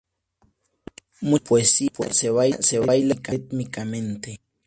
Mucha de su poesía se ´baila´ rítmicamente".